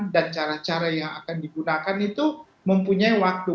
cara cara yang akan digunakan itu mempunyai waktu